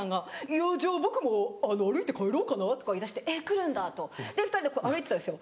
「いやじゃあ僕も歩いて帰ろうかな」とか言い出して「えっ来るんだ」とで２人で歩いてたんですよ。